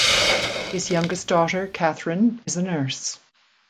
His youngest daughter, Catherine, is a nurse.